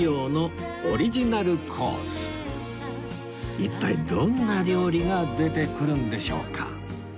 一体どんな料理が出てくるんでしょうか？